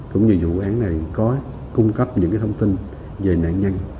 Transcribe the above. cũng như vụ án này có cung cấp những thông tin về nạn nhân